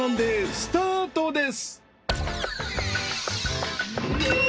スタートです